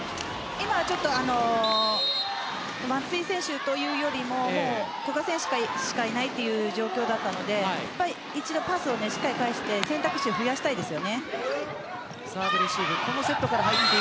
今、松井選手というよりも古賀選手しかいないという状況だったので一度パスをしっかり返して選択肢を増やしたいです。